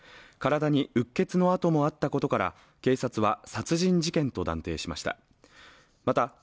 体にうっ血の痕もあったことから、警察は殺人事件と断定しました。